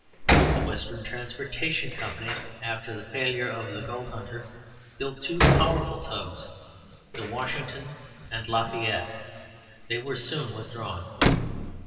The Western Transportation Co., after the failure of the Gold Hunter, built two powerful tugs, the Washington and Lafayette. They were soon withdrawn.